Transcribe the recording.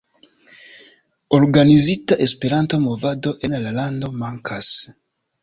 Organizita Esperanto-movado en la lando mankas.